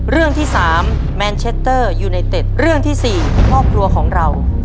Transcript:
เรื่องที่๓แมนเชคเตอร์ยูไนเต็ดเรื่องที่๔ครอบครัวของเรา